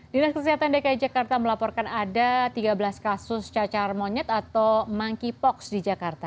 dinas kesehatan dki jakarta melaporkan ada tiga belas kasus cacar monyet atau monkeypox di jakarta